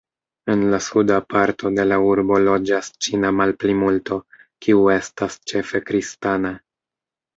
En la suda parto de la urbo loĝas ĉina malplimulto, kiu estas ĉefe kristana.